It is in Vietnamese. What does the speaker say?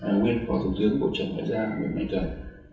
nguyễn phó thủ tướng bộ trưởng ngoại giao nguyễn mạnh cẩn